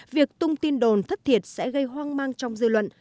việc tung tin đồn thất thiệt sẽ gây hoang mang trong dư luận